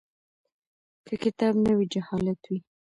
که کتاب نه وي جهالت وي.